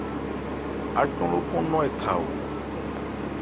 Ácɔn lókɔn nɔn ɛ tha.